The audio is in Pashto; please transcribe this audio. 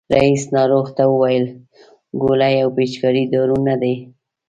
رئیس ناروغ ته وویل ګولۍ او پيچکاري دارو نه دي.